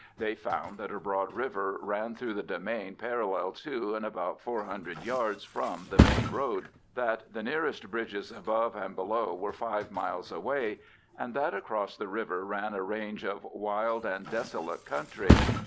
They found that a broad river ran through the demesne parallel to and about 400 yards from the main road, that the nearest bridges above and below were five miles away, and that across the river ran a range of wild and desolate country.